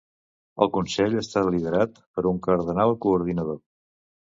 El consell està liderat per un cardenal coordinador.